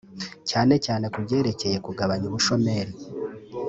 cyane cyane ku byerekeye kugabanya ubushomeri